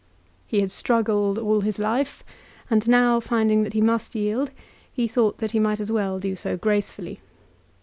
He had struggled all his life, and now finding that he must yield, he thought that he might as well do so gracefully.